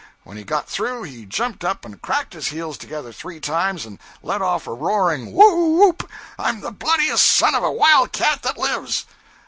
When he got through, he jumped up and cracked his heels together three times, and let off a roaring 'Whoo oop! I'm the bloodiest son of a wildcat that lives!'